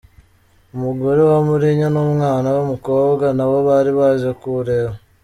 Umugore wa Mourinho n’umwana we w’umukobwa nabo bari baje kuwureba.